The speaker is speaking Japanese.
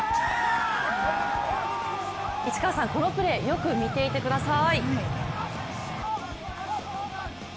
市川さん、このプレーよく見ていてください。